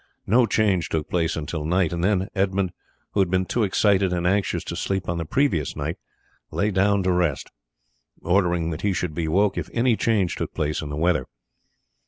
No change took place until night, and then Edmund, who had been too excited and anxious to sleep on the previous night, lay down to rest, ordering that he should be woke if any change took place in the weather.